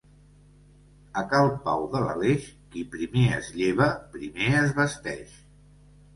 A cal Pau de l'Aleix, qui primer es lleva, primer es vesteix.